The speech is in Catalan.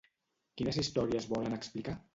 Quines històries volen explicar?